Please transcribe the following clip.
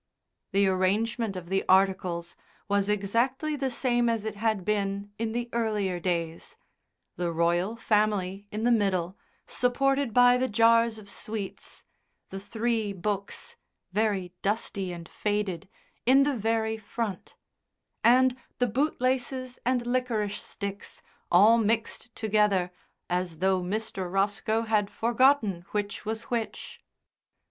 The arrangement of the articles was exactly the same as it had been in the earlier days the royal family in the middle, supported by the jars of sweets; the three books, very dusty and faded, in the very front; and the bootlaces and liquorice sticks all mixed together as though Mr. Roscoe had forgotten which was which.